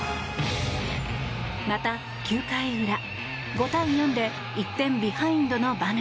また９回裏、５対４で１点ビハインドの場面